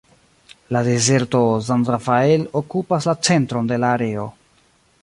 La dezerto "San Rafael" okupas la centron de la areo.